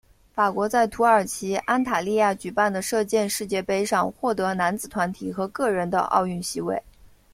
法国在土耳其安塔利亚举办的射箭世界杯上获得男子团体和个人的奥运席位。